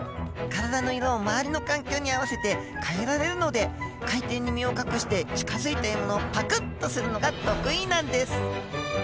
体の色を周りの環境に合わせて変えられるので海底に身を隠して近づいた獲物をパクッとするのが得意なんです